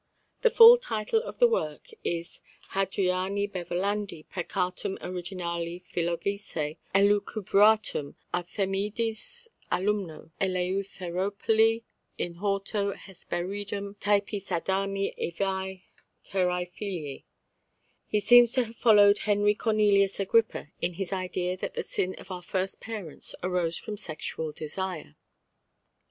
The full title of the work is _Hadriani Beverlandi peccatum originale philogicé elucubratum, à Themidis alumno. Eleutheropoli, in horto Hesperidum, typis Adami, Evae, Terrae filii_ (1678, in 8). He seems to have followed Henri Cornelius Agrippa in his idea that the sin of our first parents arose from sexual desire.